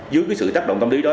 dưới cái sự tác động công ty đó